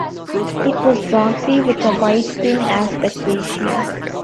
It was boxy, with a "widescreen" aspect ratio.